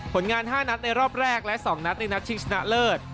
ผลงาน๕นัดในรอบแรกและ๒นัดในนัดชิงชนะเลิศ